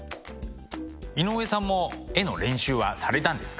井上さんも絵の練習はされたんですか？